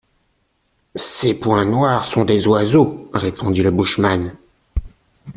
Ces points noirs sont des oiseaux, répondit le bushman.